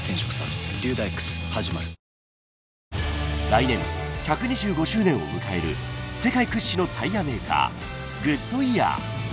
［来年１２５周年を迎える世界屈指のタイヤメーカーグッドイヤー］